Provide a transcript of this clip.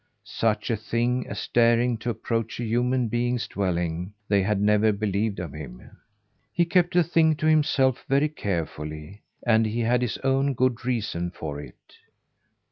Such a thing as daring to approach a human being's dwelling, they had never believed of him. He kept the thing to himself very carefully; and he had his own good reasons for it.